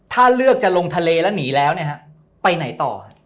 ถ้าเลือกจะลงทะเลแล้วหนีแล้วไปไหนต่อ